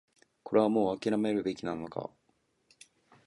これはもう諦めるべきなのか